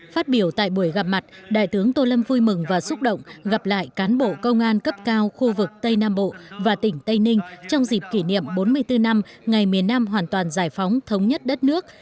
phát biểu tại buổi gặp mặt đại tướng tô lâm vui mừng và xúc động gặp lại cán bộ công an cấp cao khu vực tây nam bộ và tỉnh tây ninh trong dịp kỷ niệm bốn mươi bốn năm ngày miền nam hoàn toàn giải phóng thống nhất đất nước